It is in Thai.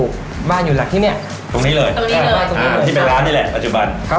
ความอาชีพอะไรต่อค่ะ